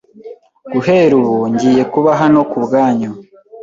Guhera ubu, ngiye kuba hano kubwanyu.